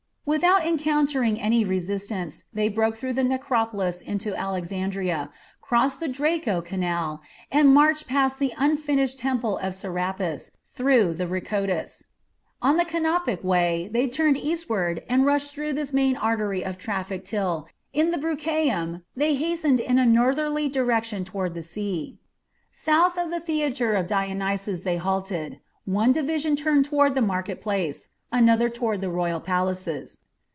Without encountering any resistance, they broke through the necropolis into Alexandria, crossed the Draco canal, and marched past the unfinished Temple of Serapis through the Rhakotis. At the Canopic Way they turned eastward and rushed through this main artery of traffic till, in the Brucheium, they hastened in a northerly direction toward the sea. South of the Theatre of Dionysus they halted. One division turned toward the market place, another toward the royal palaces.